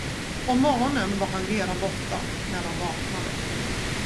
Om morgonen var han redan borta, när de vaknade.